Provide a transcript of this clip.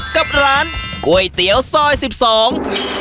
กับร้านก๋วยเตี๋ยวซอยสิบสอง